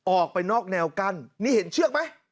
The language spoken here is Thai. ออกไปนอกแนวกั้นนี่เห็นเชือกไหม